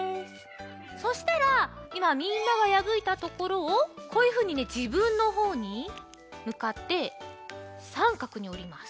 そしたらいまみんながやぶいたところをこういうふうにねじぶんのほうにむかってさんかくにおります。